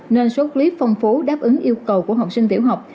nên số clip phong phú đáp ứng yêu cầu của học sinh tiểu học